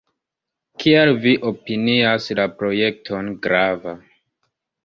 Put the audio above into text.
Kial vi opinias la projekton grava?